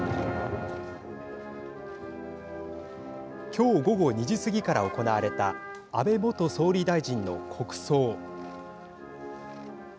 今日午後２時過ぎから行われた安倍元総理大臣の国葬。